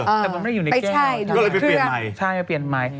แต่มันไม่ได้อยู่ในแก้วก็เลยไปเปลี่ยนใหม่ใช่ไปเปลี่ยนใหม่